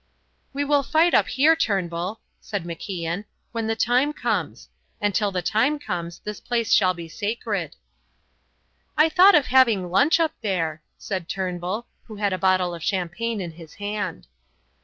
"We will fight up here, Turnbull," said MacIan, "when the time comes. And till the time comes this place shall be sacred." "I thought of having lunch up here," said Turnbull, who had a bottle of champagne in his hand.